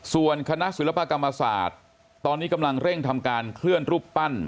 ส่วนคณะศิลปกรรมศาสตร์ตอนนี้กำลังเร่งทำการเคลื่อนรูปปั้น